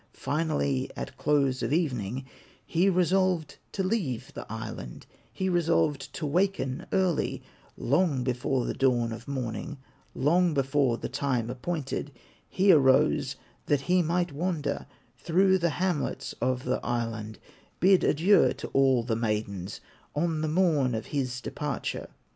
Finally at close of evening, He resolved to leave the island, He resolved to waken early, Long before the dawn of morning; Long before the time appointed, He arose that he might wander Through the hamlets of the island, Bid adieu to all the maidens, On the morn of his departure.